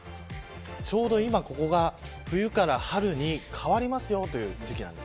ちょうど今ここが冬から春に変わりますよという時期なんです。